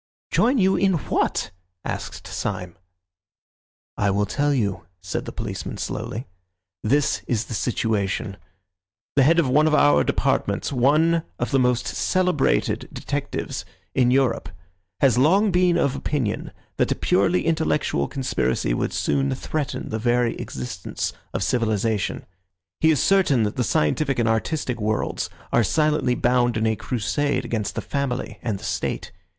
"Join you in what?" asked Syme. "I will tell you," said the policeman slowly. "This is the situation: The head of one of our departments, one of the most celebrated detectives in Europe, has long been of opinion that a purely intellectual conspiracy would soon threaten the very existence of civilisation. He is certain that the scientific and artistic worlds are silently bound in a crusade against the Family and the State.